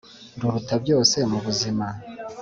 ruruta byose mu buzima